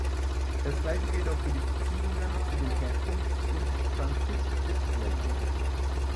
Das gleiche gilt auch für die Beziehungen zu den Herkunfts- und Transitdrittländern.